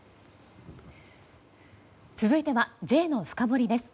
続いてはＪのフカボリです。